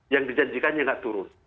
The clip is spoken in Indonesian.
yang dijanjikannya tidak turun